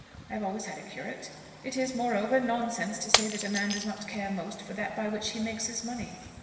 I have always had a curate. It is, moreover, nonsense to say that a man does not care most for that by which he makes his money.